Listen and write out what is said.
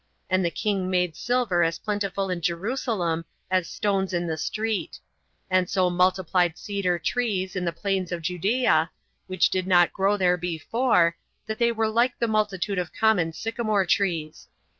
And the king made silver as plentiful in Jerusalem as stones in the street; and so multiplied cedar trees in the plains of Judea, which did not grow there before, that they were like the multitude of common sycamore trees.